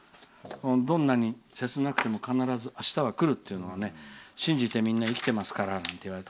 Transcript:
どんなに切なくても必ずあしたはくるっていうのは信じてみんな生きてますから。